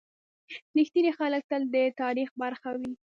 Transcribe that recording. • رښتیني خلک تل د تاریخ برخه وي.